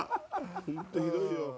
本当ひどいよ。